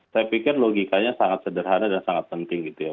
saya pikir logikanya sangat sederhana dan sangat penting gitu ya